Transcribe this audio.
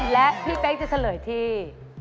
และพี่เป๊กจะเฉลยที่